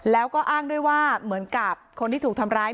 แล้วก็อ้างด้วยว่าเหมือนกับคนที่ถูกทำร้าย